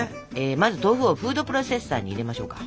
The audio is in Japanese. まず豆腐をフードプロセッサーに入れましょうか。